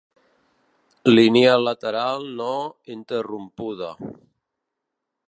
Línia lateral no interrompuda.